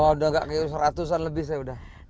wah udah nggak kayak seratusan lebih saya udah